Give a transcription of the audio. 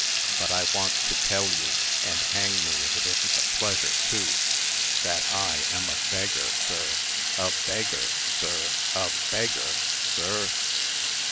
But I want to tell you and hang me if it isn't a pleasure, too that I am a beggar, sir a beggar, sir a beggar, sir!